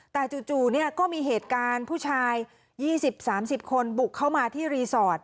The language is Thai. แต่จู่ก็มีเหตุการณ์ผู้ชาย๒๐๓๐คนบุกเข้ามาที่รีสอร์ท